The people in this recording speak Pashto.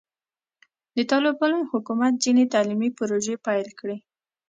د طالبانو حکومت ځینې تعلیمي پروژې پیل کړي.